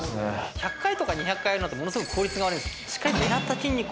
１００回とか２００回やるのってものすごく効率が悪いんです。